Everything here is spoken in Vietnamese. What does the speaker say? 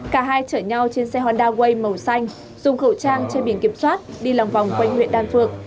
cả hai chở nhau trên xe honda way màu xanh dùng khẩu trang trên biển kiểm soát đi lòng vòng quanh huyện đan phượng